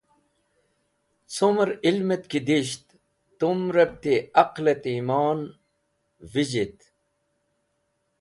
Cumẽr ilmẽt ki disht tumrẽb ti aqlẽt yimon vẽzhit.